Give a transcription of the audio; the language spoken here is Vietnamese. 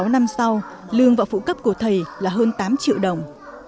một mươi sáu năm sau lương vào phụ cấp của thầy là hơn tám triệu đồng